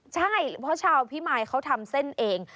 ใช่เพราะชาวพิมายเขาทำเส้นเอง